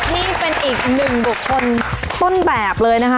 นี่เป็นอีกหนึ่งบุคคลต้นแบบเลยนะคะ